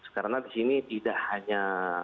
karena di sini tidak hanya